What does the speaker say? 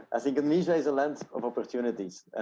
saya pikir indonesia adalah negara kemungkinan